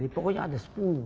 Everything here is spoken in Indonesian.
pokoknya ada sepuluh